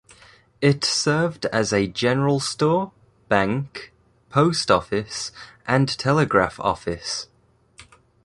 It served as a general store, bank, post office, and telegraph office.